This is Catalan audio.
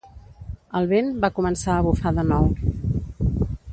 El vent va començar a bufar de nou.